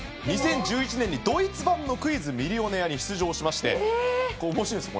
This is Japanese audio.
２０１１年にドイツ版の『クイズ・ミリオネア』に出場しましてこれ面白いんです